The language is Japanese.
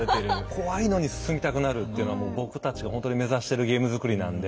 怖いのに進みたくなるっていうのはもう僕たちがほんとに目指してるゲーム作りなんで。